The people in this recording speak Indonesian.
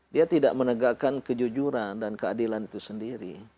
dia tidak menegakkan kejujuran dan keadilan itu sendiri